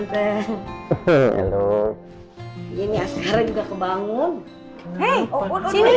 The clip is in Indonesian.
tempen legendnya jadi kebangun